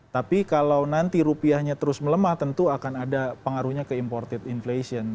tapi kalau nanti rupiahnya terus melemah tentu akan ada pengaruhnya ke imported inflation